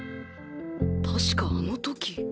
確かあの時